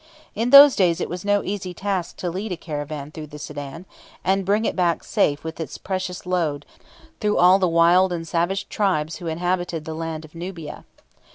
In those days it was no easy task to lead a caravan through the Soudan, and bring it back safe with its precious load through all the wild and savage tribes who inhabited the land of Nubia.